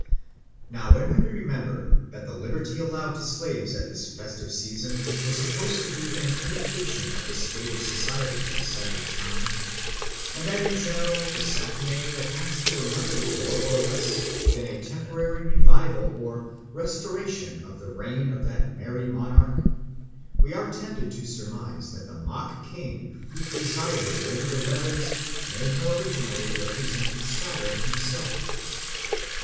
Now, when we remember that the liberty allowed to slaves at this festive season was supposed to be an imitation of the state of society in Saturn's time, and that in general the Saturnalia passed for nothing more or less than a temporary revival or restoration of the reign of that merry monarch, we are tempted to surmise that the mock king who presided over the revels may have originally represented Saturn himself.